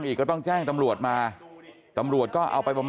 ศีลมือมันทั้งนั้นเลยใช่ไหม